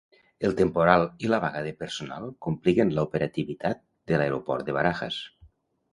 El temporal i la vaga de personal compliquen l'operativitat de l'aeroport de Barajas.